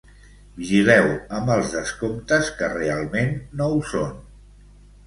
Vigileu amb els descomptes que realment no ho són.